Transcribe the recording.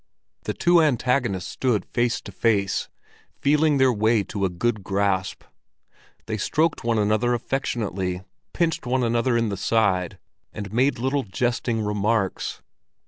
The two antagonists stood face to face, feeling their way to a good grasp. They stroked one another affectionately, pinched one another in the side, and made little jesting remarks.